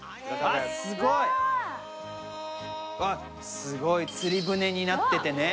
すごい釣り船になっててね。